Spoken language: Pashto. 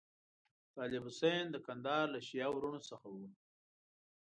طالب حسین د کندهار له شیعه وروڼو څخه وو.